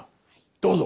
どうぞ。